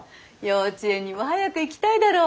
幼稚園にも早く行きたいだろ。